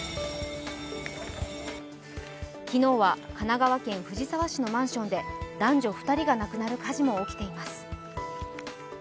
昨日は神奈川県藤沢市のマンションで男女２人が亡くなる火事も起きています。